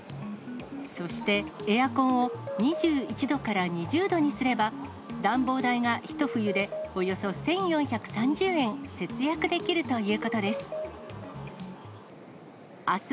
そして、エアコンを２１度から２０度にすれば、暖房代がひと冬でおよそ１４３０円節約できるということです。